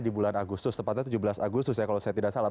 di bulan agustus tepatnya tujuh belas agustus ya kalau saya tidak salah